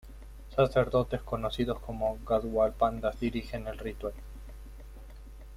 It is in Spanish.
Sacerdotes conocidos como Gaywal-pandas dirigen el ritual.